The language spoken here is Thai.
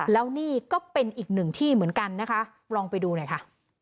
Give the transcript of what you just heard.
แล้วนี่ก็เป็นอีกหนึ่งที่เหมือนกันนะคะลองไปดูหน่อยค่ะ